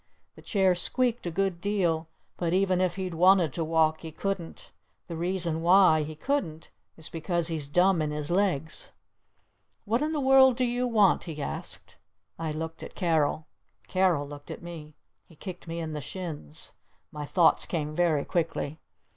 The chair squeaked a good deal. But even if he'd wanted to walk he couldn't. The reason why he couldn't is because he's dumb in his legs. "What in the world do you want?" he asked. I looked at Carol. Carol looked at me. He kicked me in the shins. My thoughts came very quickly.